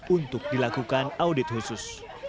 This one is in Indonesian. untuk dilakukan audit khusus